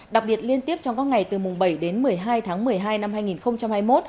đặc biệt liên tiếp trong các ngày từ mùng bảy đến một mươi hai tháng một mươi hai năm hai nghìn hai mươi một